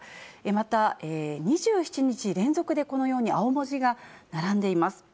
また、２７日連続で、このように青文字が並んでいます。